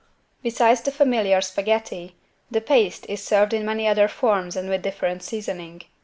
Besides the familiar spaghetti, the paste is served in many other forms and with different seasoning.